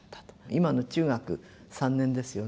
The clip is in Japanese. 今の中学３年ですよね。